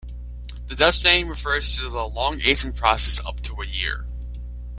The Dutch name refers to the long aging process, up to a year.